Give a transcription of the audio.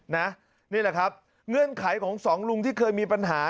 นี่แหละครับเงื่อนไขของสองลุงที่เคยมีปัญหา